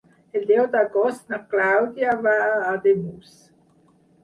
El deu d'agost na Clàudia va a Ademús.